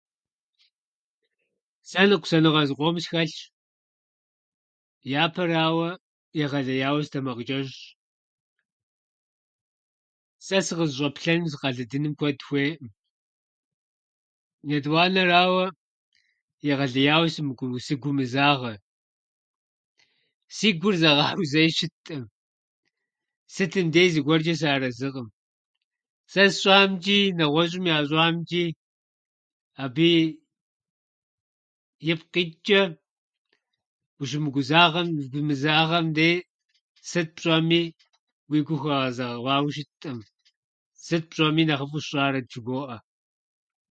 Сэ ныкъусаныгъэ зыкъом схэлъщ. Япэрауэ, егъэлеяуэ сытэмакъчӏэщӏщ. Сэ сыкъызэщӏэнэным, сыкъэлыдыным куэд хуейӏым. Етӏуанэрауэ, егъэлеяуэ сымыгумы- сыгумызагъэ. Си гур зэгъауэ зэи щытӏым. Сытым дейми зыгуэрчӏэ сыарэзыкъым сэ сщӏамчӏи, нэгъуэщӏым ящӏамчӏи. Абыи ипкъ итчӏэ, ущымыгумызагъэм- ущыгумызагъэм дей сыт пщӏэми, уи гур хуэгъэзэгъауэ щытӏым. Сыт пщӏэми, нэхъыфӏу сщӏарэт жыбоӏэ.